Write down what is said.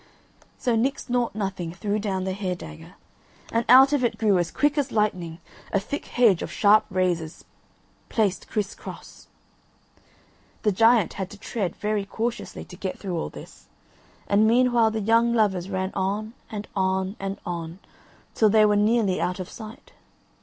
So Nix Nought Nothing threw down the hair dagger and out of it grew as quick as lightning a thick hedge of sharp razors placed criss cross. The giant had to tread very cautiously to get through all this and meanwhile the young lovers ran on, and on, and on, till they were nearly out of sight.